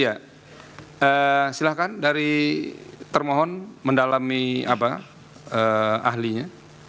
ya silahkan dari termohon mendalami ahlinya